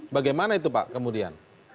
bagaimana itu pak kemudian